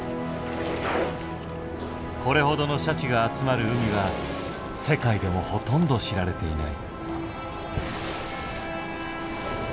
これほどのシャチが集まる海は世界でもほとんど知られていない。